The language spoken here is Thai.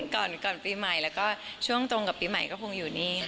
ก่อนปีใหม่แล้วก็ช่วงตรงกับปีใหม่ก็คงอยู่นี่ค่ะ